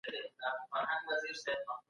د بازارونو پرانیستل د تولیداتو لپاره ګټور دي.